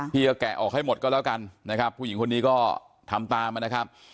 พี่ก็แกะออกให้หมดก็แล้วกันนะครับผู้หญิงคนนี้ก็ทำตามนะครับ